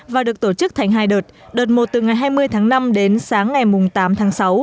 và được tổ chức thành hai đợt đợt một từ ngày hai mươi tháng năm đến sáng ngày tám tháng sáu